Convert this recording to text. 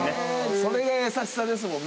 それが優しさですもんね